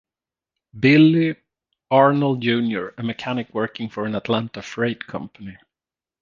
"Billy" Arnold Junior a mechanic working for an Atlanta freight company.